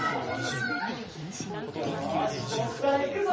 よしぼくからいくぞ！